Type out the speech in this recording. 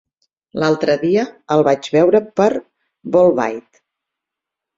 L'altre dia el vaig veure per Bolbait.